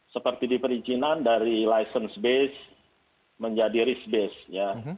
seperti diperizinan dari license base menjadi risk base ya